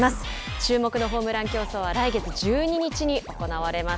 注目のホームラン競争は来月１２日に行われます。